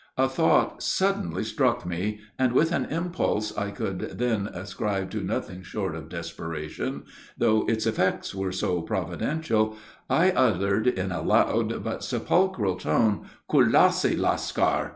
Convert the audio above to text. A thought suddenly struck me, and, with an impulse I could then ascribe to nothing short of desperation, though its effects were so providential, I uttered, in a loud, but sepulchral tone, "Kulassi! Lascar."